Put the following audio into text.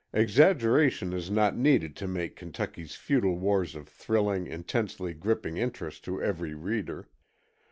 Exaggeration is not needed to make Kentucky's feudal wars of thrilling, intensely gripping interest to every reader.